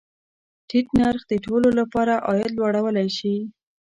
ټیټ نرخ د ټولو له پاره عاید لوړولی شي.